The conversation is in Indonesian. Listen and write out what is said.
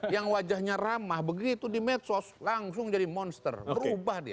yang wajahnya ramah begitu di medsos langsung jadi monster berubah dia